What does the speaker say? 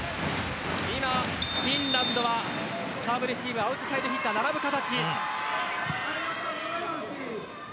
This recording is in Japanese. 今、フィンランドはサーブレシーブアウトサイドヒッターが並ぶ形。